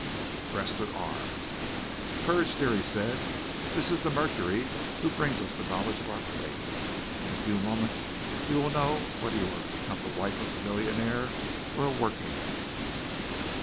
He pressed her arm. "Courage, dear," he said. "This is the Mercury who brings us the knowledge of our fate. In a few moments you will know whether you are to become the wife of a millionaire or a working man."